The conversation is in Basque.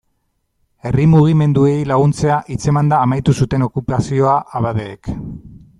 Herri mugimenduei laguntzea hitzemanda amaitu zuten okupazioa abadeek.